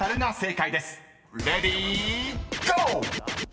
［レディーゴー！］